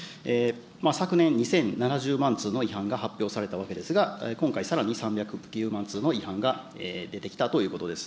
昨年２０７０万通の違反が発表されたわけですが、今回さらに３０９万通の違反が出てきたということです。